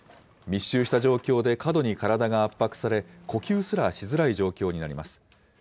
密集した状況で過度に体が圧迫され、呼吸すらしづらい状況になります。